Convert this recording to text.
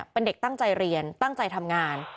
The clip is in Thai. เป็นเด็กตั้งใจเรียนตั้งใจทำงาน